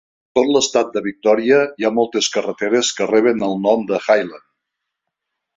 A tot l'estat de Victoria hi ha moltes carreteres que reben el nom de Hyland.